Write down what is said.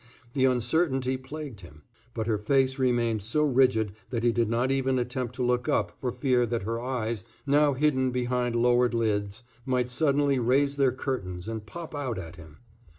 The uncertainty plagued him. But her face remained so rigid that he did not even attempt to look up for fear that her eyes, now hidden behind lowered lids, might suddenly raise their curtains and pop out at him.